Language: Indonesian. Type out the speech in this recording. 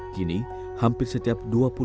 kini hampir setiap dua puluh